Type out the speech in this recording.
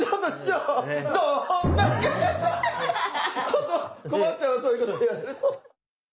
ちょっと困っちゃうわそういうこと言われると。